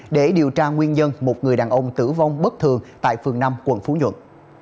để điều tra nguyên nhân một người đàn ông tử vong bất thường tại phường năm quận phú nhuận